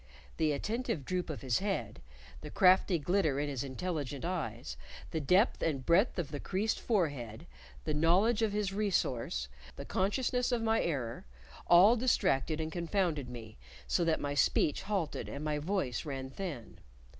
The attentive droop of his head; the crafty glitter in his intelligent eyes; the depth and breadth of the creased forehead; the knowledge of his resource, the consciousness of my error, all distracted and confounded me so that my speech halted and my voice ran thin.